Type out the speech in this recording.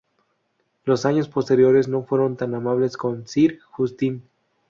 Los años posteriores no fueron tan amables con Sir Justin.